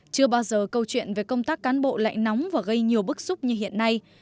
chưa bao giờ câu chuyện về công tác cán bộ lại nóng và gây nhiều bức xúc như hiện nay